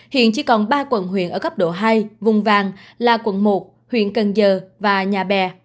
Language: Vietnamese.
hiện chỉ còn ba quận huyện ở cấp độ hai vùng vàng là quận một huyện cần giờ và nhà bè